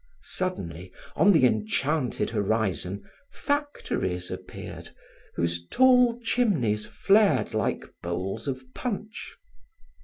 Suddenly, on the enchanted horizon, factories appeared whose tall chimneys flared like bowls of punch.